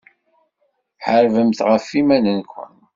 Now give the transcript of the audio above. Ḥarbemt ɣef yiman-nkent.